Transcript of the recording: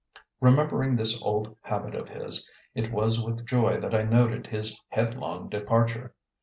Remembering this old habit of his, it was with joy that I noted his headlong departure.